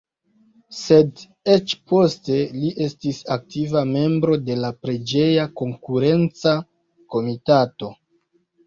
Sed eĉ poste li estis aktiva membro de la preĝeja konkurenca komitato.